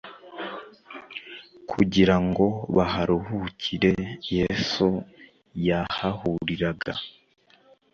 kugira ngo baharuhukire. Yesu yahahuriraga